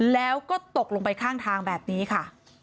แล้วก็ตกลงไปข้างทางแบบนี้ค่ะ